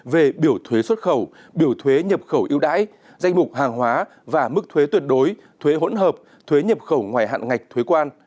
về biểu thuế xuất khẩu biểu thuế nhập khẩu yêu đãi danh mục hàng hóa và mức thuế tuyệt đối thuế hỗn hợp thuế nhập khẩu ngoài hạn ngạch thuế quan